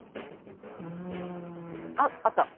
うんあっあった。